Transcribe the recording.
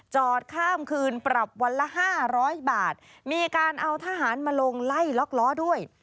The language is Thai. จอดข้ามคืนปรับวันละห้าร้อยบาทมีการเอาทหารมาลงไล่ล็อกล้อด้วย